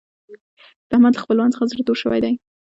د احمد له خپلوانو څخه زړه تور شوی دی.